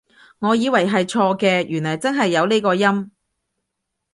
我以為係錯嘅，原來真係有呢個音？